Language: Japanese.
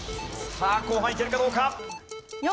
後半いけるかどうか？